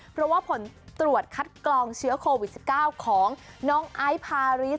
เพราะว่าผลตรวจคัดกรองเชื้อโควิด๑๙ของน้องไอซ์พาริส